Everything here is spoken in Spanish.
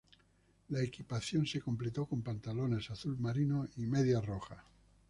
La equipación se completó con pantalones azul marino y medias rojas.